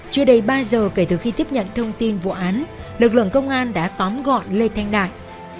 chưa đầy ba giờ kể từ khi tiếp nhận thông tin vụ án lực lượng công an đã tóm gọn lê thanh đại